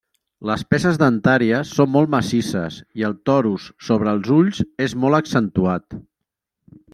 Les peces dentàries són molt massisses i el torus sobre els ulls és molt accentuat.